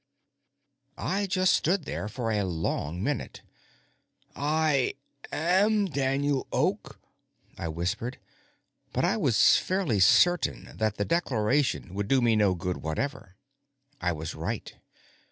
I just stood there for a long minute. "I am Daniel Oak," I whispered. But I was fairly certain that the declaration would do me no good whatever. I was right.